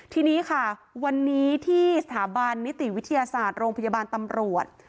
ทีนี้ค่ะวันนี้ที่สถาบันนิติวิทยาศาสตร์โรงพยาบาลตำรวจ